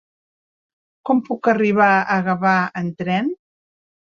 Com puc arribar a Gavà amb tren?